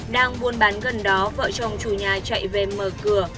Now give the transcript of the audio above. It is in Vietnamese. đang buôn bán gần đó vợ chồng chủ nhà chạy về mở cửa